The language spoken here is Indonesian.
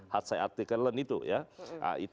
hatsai artikel len itu ya